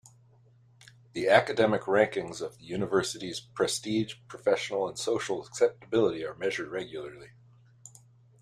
The academic rankings of the universities' prestige, professional and social acceptability are measured regularly.